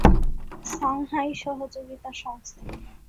Shanghai সহযোগিতা সংস্থা